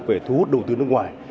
về thu hút đầu tư nước ngoài